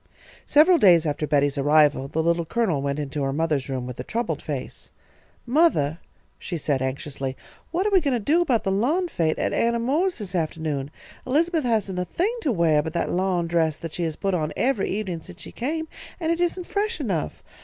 Several days after Betty's arrival, the Little Colonel went into her mother's room with a troubled face. "Mothah," she said, anxiously, "what are we goin' to do about the lawn fête at Anna Moore's this afternoon? Elizabeth hasn't a thing to weah but that lawn dress that she has put on every evenin' since she came, and it isn't fresh enough.